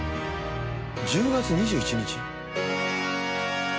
「１０月２１日」？